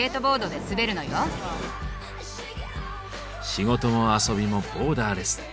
仕事も遊びもボーダーレス。